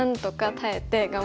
耐えて。